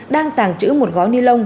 đang tàng trữ một gói ni lông